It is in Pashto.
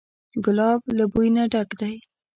ګلاب له بوی نه ډک دی.